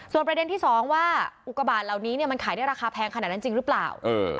ส่วนประเด็นที่สองว่าอุกระบาทเหล่านี้เนี้ยมันขายได้ราคาแพงขนาดนั้นจริงรึเปล่าเออ